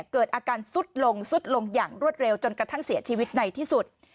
เกิดอาการซุดลงสุดลงอย่างรวดเร็วจนกระทั่งเสียชีวิตในที่สุด